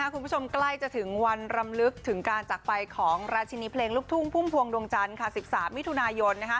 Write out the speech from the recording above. ใกล้จะถึงวันรำลึกถึงการจักรไปของราชินีเพลงลูกทุ่งพุ่มพวงดวงจันทร์๑๓มิถุนายน